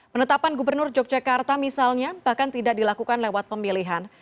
penetapan gubernur yogyakarta misalnya bahkan tidak dilakukan lewat pemilihan